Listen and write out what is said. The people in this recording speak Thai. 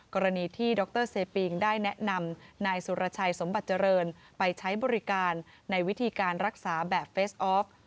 กรณีที่ดรเซปิงได้แนะนำนายสุรชัยสมบัติเจริญไปใช้บริการในวิธีการรักษาแบบเฟสออฟ